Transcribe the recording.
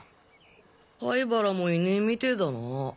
灰原もいねぇみてえだな。